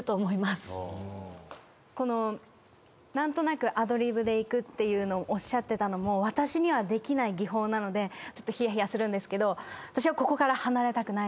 この何となくアドリブでいくっていうのおっしゃってたのも私にはできない技法なので冷や冷やするんですけど。